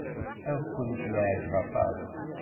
Ad kent-yeɛjeb aṭas.